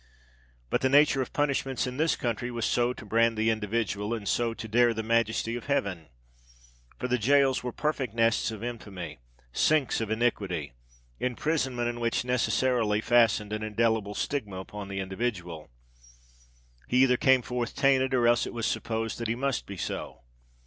But the nature of punishments in this country was so to brand the individual, and so to dare the Majesty of Heaven. For the gaols were perfect nests of infamy—sinks of iniquity, imprisonment in which necessarily fastened an indelible stigma upon the individual. He either came forth tainted; or else it was supposed that he must be so.